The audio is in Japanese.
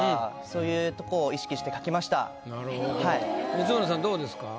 光宗さんどうですか？